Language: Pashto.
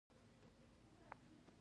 انار ته هم نووګوړه وای